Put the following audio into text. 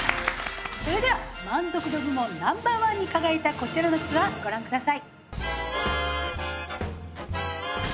それでは満足度部門Ｎｏ．１に輝いたこちらのツアーご覧ください。